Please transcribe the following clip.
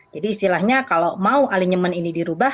jadi istilahnya kalau mau alinyemen ini dirubah